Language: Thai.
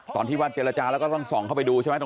ตอนที่วัดเจรจาแล้วก็ต้องส่องเข้าไปดูใช่ไหม